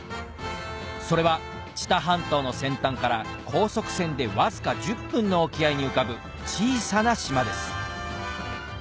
それは知多半島の先端から高速船でわずか１０分の沖合に浮かぶ小さな島です